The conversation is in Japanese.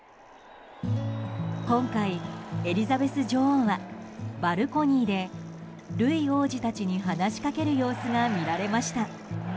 今回、エリザベス女王はバルコニーでルイ王子たちに話しかける様子が見られました。